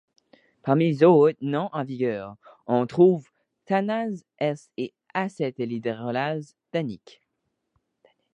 Parmi les autres noms en vigueur, on trouve tannase S et acetylhydrolase tannique.